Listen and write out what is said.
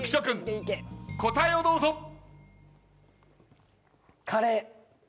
君答えをどうぞ。